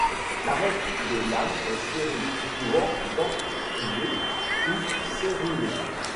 L'arête des lames est stérile, souvent denticulée ou serrulée.